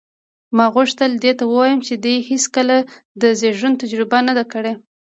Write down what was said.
ما غوښتل دې ته ووایم چې دې هېڅکله د زېږون تجربه نه ده کړې.